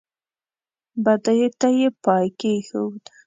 بدیو ته یې پای کېښود.